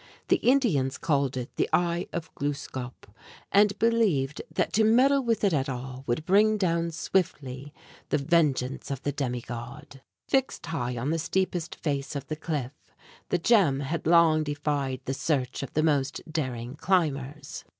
The Indians called it "The Eye of Gluskâp," and believed that to meddle with it at all would bring down swiftly the vengeance of the demigod. Fixed high on the steepest face of the cliff, the gem had long defied the search of the most daring climbers.